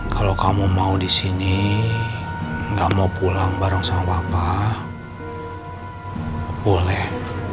kalo kamu mau disini gak mau pulang bareng sama papa boleh